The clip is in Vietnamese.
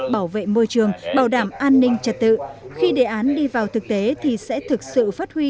bảo vệ môi trường bảo đảm an ninh trật tự khi đề án đi vào thực tế thì sẽ thực sự phát huy